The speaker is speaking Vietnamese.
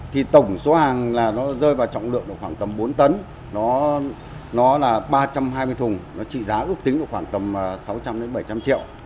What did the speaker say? thì tổng số hàng là nó rơi vào trọng lượng khoảng tầm bốn tấn nó là ba trăm hai mươi thùng nó trị giá ước tính khoảng tầm sáu trăm linh bảy trăm linh triệu